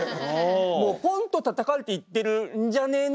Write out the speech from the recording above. もう「ポンッとたたかれて言ってるんじゃねえの？」